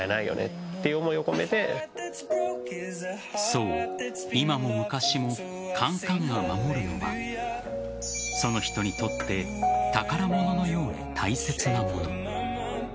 そう今も昔も缶かんが守るのはその人にとって宝物のように大切なもの。